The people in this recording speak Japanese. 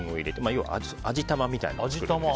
要は味玉みたいな感じです。